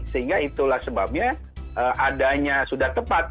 sehingga itulah sebabnya adanya sudah tepat